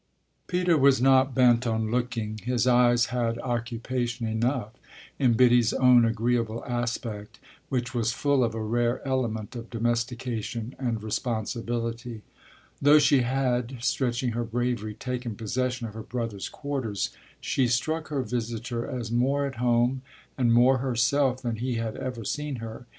Peter was not bent on looking; his eyes had occupation enough in Biddy's own agreeable aspect, which was full of a rare element of domestication and responsibility. Though she had, stretching her bravery, taken possession of her brother's quarters, she struck her visitor as more at home and more herself than he had ever seen her.